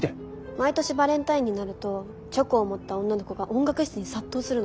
毎年バレンタインになるとチョコを持った女の子が音楽室に殺到するの。